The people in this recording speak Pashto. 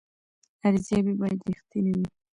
ارزیابي باید رښتینې وي